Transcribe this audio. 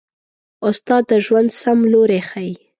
استاد د ژوند سم لوری ښيي.